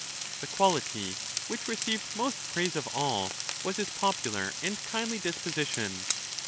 The quality which received most praise of all was his popular and kindly disposition.